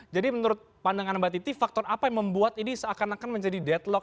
jadi faktor apa yang membuat ini seakan akan menjadi deadlock